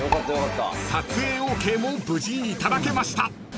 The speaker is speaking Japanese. ［撮影ＯＫも無事頂けました］